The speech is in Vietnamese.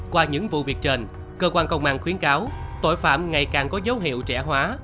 qua những vụ việc trên cơ quan công an khuyến cáo tội phạm ngày càng có dấu hiệu trẻ hóa